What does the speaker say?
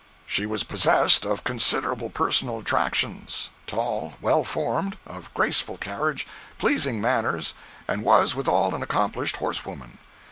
She was possessed of considerable personal attractions; tall, well formed, of graceful carriage, pleasing manners, and was, withal, an accomplished horsewoman.